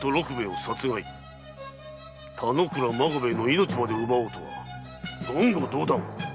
田之倉孫兵衛の命まで奪おうとは言語道断！